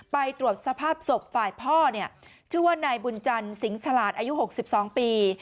ไปตรวจสภาพศพฝ่ายพ่อเนี่ยชื่อว่านายบุญจันทร์สิงหลาดอายุ๖๒ปี